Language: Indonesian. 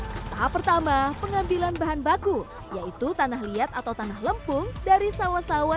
hai tahap pertama pengambilan bahan baku yaitu tanah liat atau tanah lempung dari sawah sawah